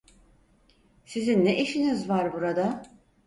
Sizin ne işiniz var burada?